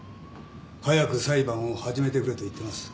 早く裁判を始めてくれと言ってます。